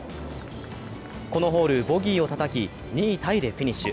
このホール、ボギーをたたき２位タイでフィニッシュ。